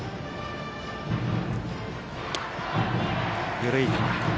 緩い球。